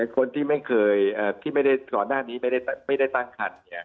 คนที่ไม่เคยก่อนหน้านี้ไม่ได้ตั้งคันเนี่ย